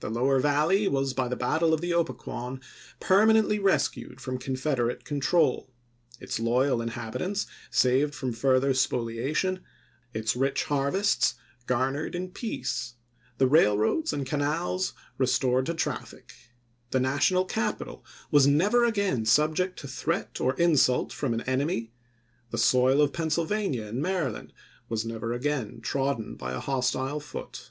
The lower Valley was by the battle of the Opequon permanently rescued from Confederate control; its loyal inhabitants saved from further spoliation ; its rich harvests garnered in peace ; the railroads and canals restored to traffic. The National capital was never again subject to threat or insult from an enemy ; the soil of Pennsylvania and Maryland was never again trodden by a hostile foot. Sept.